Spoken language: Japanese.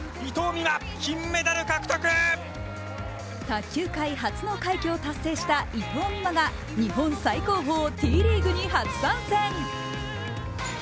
卓球界初の快挙を達成した伊藤美誠が日本最高峰Ｔリーグに初参戦。